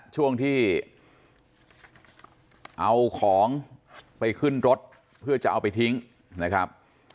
ช่วงที่เอาของไปขึ้นรถเพื่อจะเอาไปทิ้งนะครับ